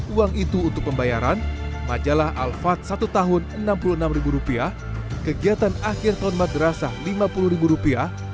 uang itu untuk pembayaran majalah alfat satu tahun enam puluh enam rupiah kegiatan akhir tahun madrasah lima puluh rupiah